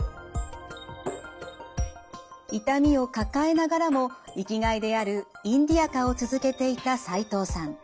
痛みを抱えながらも生きがいであるインディアカを続けていた齋藤さん。